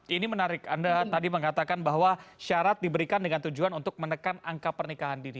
ini menarik anda tadi mengatakan bahwa syarat diberikan dengan tujuan untuk menekan angka pernikahan dini